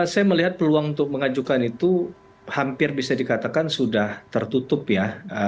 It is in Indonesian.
saya melihat peluang untuk mengajukan itu hampir bisa dikatakan sudah tertutup ya